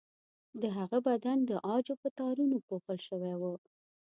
د هغه بدن د عاجو په تارونو پوښل شوی و.